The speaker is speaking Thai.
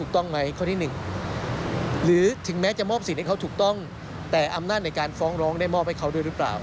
แต่อำนาจในการฟ้องร้องได้มอบให้เขาด้วยหรือเปล่า